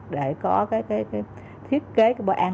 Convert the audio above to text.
để có thiết kế bữa ăn